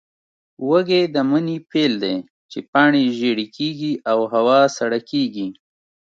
وږی د مني پیل دی، چې پاڼې ژېړې کېږي او هوا سړه کېږي.